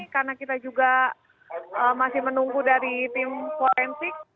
karena kita juga masih menunggu dari tim forensik